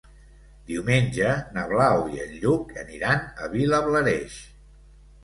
Diumenge na Blau i en Lluc aniran a Vilablareix.